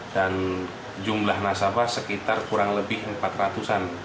dan jumlah nasabah sekitar kurang lebih empat ratus an